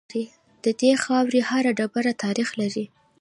د دې خاورې هر ډبره تاریخ لري